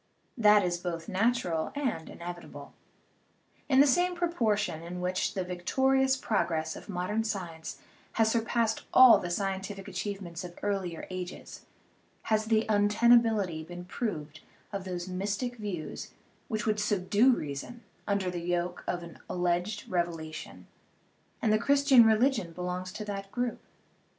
That is both natural and inevitable. In the same proportion in which the victorious progress of modern science has surpassed all the scientific achievements of earlier ages has the untenability been proved of those mystic views which would subdue reason under the yoke of an al leged revelation ; and the Christian religion belongs to that group.